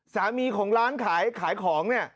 สามีของร้านขายของเนี่ย